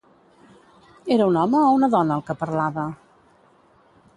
Era un home o una dona, el que parlava?